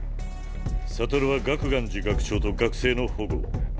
悟は楽巌寺学長と学生の保護を。